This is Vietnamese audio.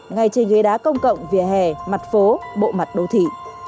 ngay trên ghế đá công cộng vỉa hè mặt phố bộ mặt đô thị